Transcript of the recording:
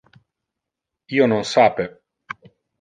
Io non sape